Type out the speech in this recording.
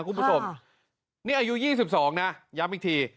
คุณผู้ชมนี่อายุ๒๒นะย้ำอีกที